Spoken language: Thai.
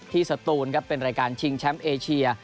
สตูนครับเป็นรายการชิงแชมป์เอเชีย